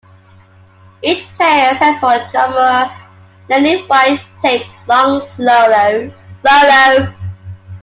Each player except for drummer Lenny White takes long solos.